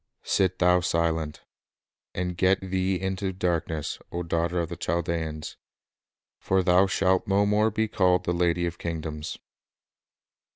... Sit thou silent, And get thee into darkness, O daughter of the Chaldeans; For thou shalt no more be called the lady of kingdoms.